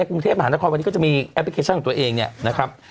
กรุงเทพมหานครวันนี้ก็จะมีแอปพลิเคชันของตัวเองเนี่ยนะครับ